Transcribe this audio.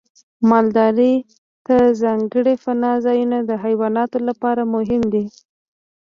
مالدارۍ ته ځانګړي پناه ځایونه د حیواناتو لپاره مهم دي.